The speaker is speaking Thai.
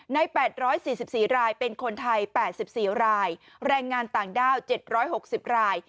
ในแปดร้อยสี่สิบสี่รายเป็นคนไทยแปดสิบสี่รายแรงงานต่างด้าวเจ็ดร้อยหกสิบราย